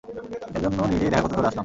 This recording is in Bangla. এজন্য নিজেই দেখা করতে চলে আসলাম।